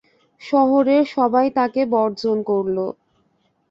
শহরের সবাই তাঁকে বর্জন করল।